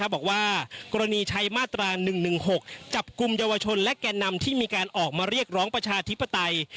บอกว่ากรณีใช้มาตรา๑๑๖จับกลุ่มเยาวชนและแก่นำที่มีการออกมาเรียกร้องประชาธิปไตย